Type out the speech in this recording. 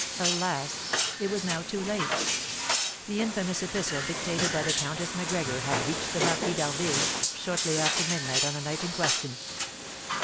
Alas! it was now too late. The infamous epistle dictated by the Countess Macgregor had reached the Marquis d'Harville shortly after midnight on the night in question.